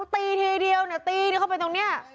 ตีทีเดียวเนี่ยตีเข้าไปตรงนี้